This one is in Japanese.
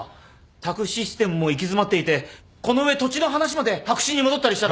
宅・システムも行き詰まっていてこの上土地の話まで白紙に戻ったりしたら。